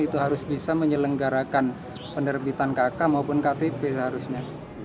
itu harus bisa menyelenggarakan penerbitan kk maupun ktp seharusnya